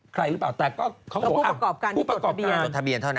ใครหรือเปล่าแต่ก็ก็แล้วผู้ประกอบการพิโรคสไม่ต้องต้องการ